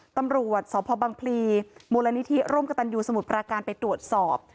ตำรวจสพบังพลีมูลนิธิร่วมกับตันยูสมุทรปราการไปตรวจสอบ